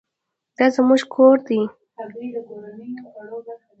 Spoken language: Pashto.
دا زموږ ګور دی؟